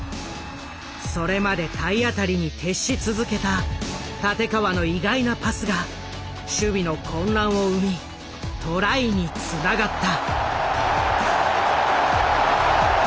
それまで体当たりに徹し続けた立川の意外なパスが守備の混乱を生みトライにつながった。